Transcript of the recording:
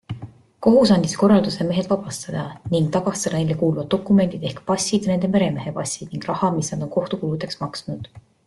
Kohus andis korralduse mehed vabastada ning tagastada neile kuuluvad dokumendid ehk passid ja nende meremehe passid ning raha, mis nad on kohtukuludeks maksnud.